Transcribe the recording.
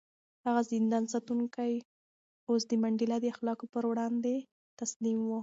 هغه زندان ساتونکی اوس د منډېلا د اخلاقو په وړاندې تسلیم و.